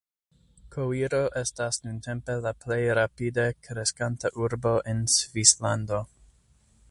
Koiro estas nuntempe la plej rapide kreskanta urbo en Svislando.